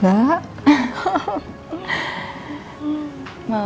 enak banget mbak